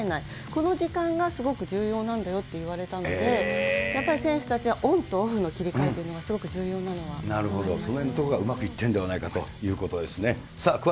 この時間がすごく重要なんだよって言われたので、やっぱり選手たちは、オンとオフの切り替えというのがすごく重要なのはありそのへんのところがうまくいっているのではないかということですよね。